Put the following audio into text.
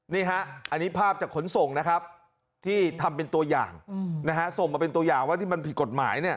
นี่ฮะอันนี้ภาพจากขนส่งนะครับที่ทำเป็นตัวอย่างนะฮะ